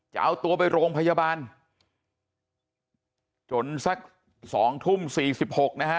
จะเอาตัวไปโรงพยาบาลจนสัก๒ทุ่ม๑๖นาทีนะฮะ